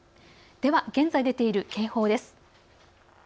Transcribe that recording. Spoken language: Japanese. では、現在出ている警報です。